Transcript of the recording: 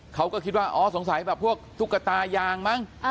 เขาก็คิดว่าอ๋อสงสัยแบบพวกตุ๊กตายางมั้ง